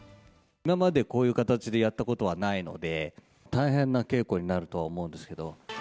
今までこういう形でやったことはないので、大変な稽古になるとは思うんですけど。